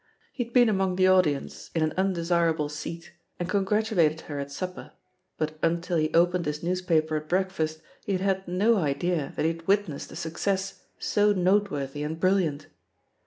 He had been among the audience, in an undesirable seat^ and congratulated her at supper, but until he opened his newspaper at breakfast he had had no idea that he had witnessed a success so note worthy and brilliant.